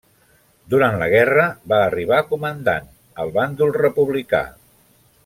Durant la guerra va arribar a comandant al bàndol republicà.